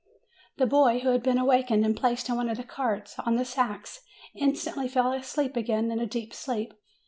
The boy, who had been awakened and placed in one of the carts, on the sacks, instantly fell again into a deep sleep.